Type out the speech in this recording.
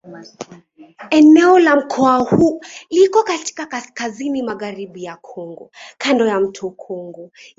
Eneo la mkoa huu liko katika kaskazini-magharibi ya Kongo kando ya mto Kongo.